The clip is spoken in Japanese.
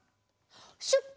シュッポ！